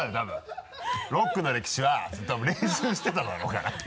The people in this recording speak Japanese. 「ロックの歴史は」って言って多分練習してただろうから。